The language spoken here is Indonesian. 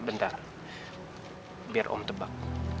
bentar biar om tebak